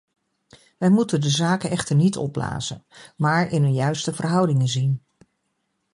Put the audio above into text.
Wij moeten de zaken echter niet opblazen, maar in hun juiste verhoudingen zien.